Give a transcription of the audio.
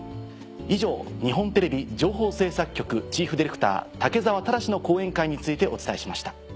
以上日本テレビ情報制作局チーフディレクター武澤忠の講演会についてお伝えしました。